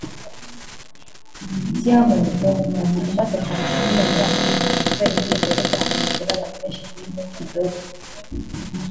Diamond ni umuhanzi umaze kwandika izina muri Afurika kubera indirimbo ze zakunzwe n’abantu benshi zirimo Kidogo